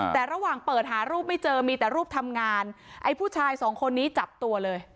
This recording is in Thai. แต่ระหว่างเปิดหารูปไม่เจอมีแต่รูปทำงานไอ้ผู้ชายสองคนนี้จับตัวเลย